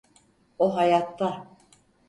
O hayatta.